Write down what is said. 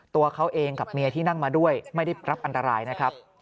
ตัวเขาเองกับเมียที่นั่งมาด้วยไม่ได้รับอันตรายนะครับ